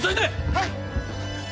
はい！